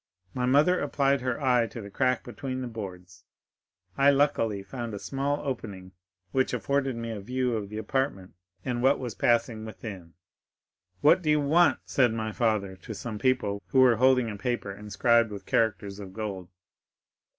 My mother applied her eye to the crack between the boards; I luckily found a small opening which afforded me a view of the apartment and what was passing within. 'What do you want?' said my father to some people who were holding a paper inscribed with characters of gold.